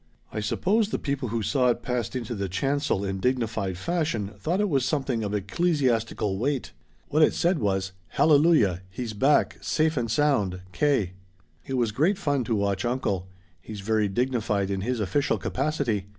I suppose the people who saw it passed into the chancel in dignified fashion thought it was something of ecclesiastical weight. What it said was, 'Hallelujah he's back safe and sound. K .' "It was great fun to watch uncle he's very dignified in his official capacity.